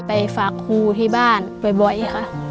ไปฝากครูที่บ้านบ่อยค่ะ